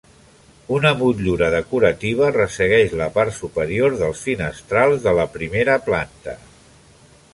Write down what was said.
Una motllura decorativa ressegueix la part superior dels finestrals de la primera planta.